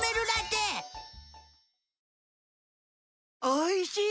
おいしい！